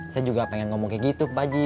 saya juga pengen ngomong kayak gitu pak ji